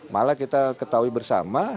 malah kita ketahui bersama